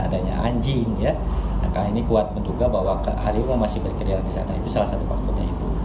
hal ini merupakan bagian daripada siklus pergerakan